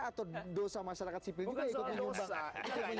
atau dosa masyarakat sipil juga ikut menyumbang